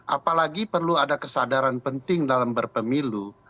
apalagi perlu ada kesadaran penting dalam berpemilu